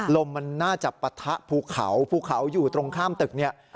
ลมมันน่าจะปะทะภูเขาภูเขาอยู่ตรงข้ามตึกเนี่ย